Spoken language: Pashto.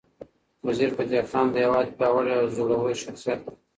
وزیرفتح خان د هیواد پیاوړی او زړور شخصیت دی.